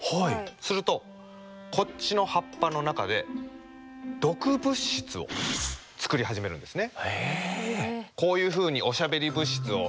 するとこっちの葉っぱの中で毒物質を作り始めるんですね。